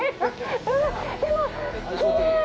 でも、きれーい。